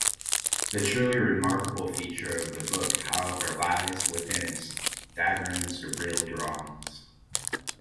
The truly remarkable feature of the book, however, lies within its staggering surreal drawings.